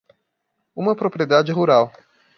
Uma propriedade rural